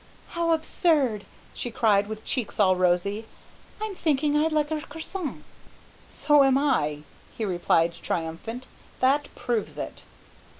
"How absurd!" she cried with cheeks all rosy. "I'm thinking I'd like a croisson." "So am I," he replied triumphant, "that proves it."